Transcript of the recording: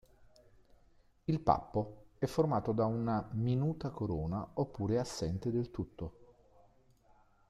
Il pappo è formato da una minuta corona oppure è assente del tutto.